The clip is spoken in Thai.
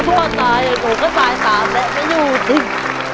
พ่อตายผมก็ตายตามแล้วไม่อยู่จริง